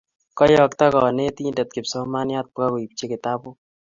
Keyokto kanetindet kipsomaniat pkoipchi kitabut